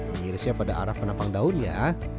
mengirisnya pada arah penampang daun ya